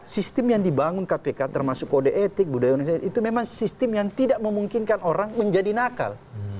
sistem yang dibangun kpk termasuk kode etik budaya indonesia itu memang sistem yang tidak memungkinkan orang menjadi nakal